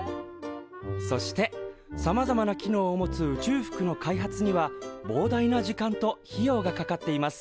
そしてさまざまな機能を持つ宇宙服の開発には膨大な時間と費用がかかっています。